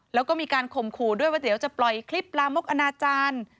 แล้วก็มีการข่มขู่ด้วยว่าเดี๋ยวจะปล่อยคลิปลามกอนาจารย์